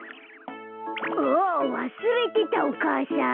あっわすれてたお母さん。